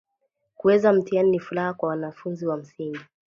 Kuweza mtiani ni furaha kwa wanafunzi wa msingi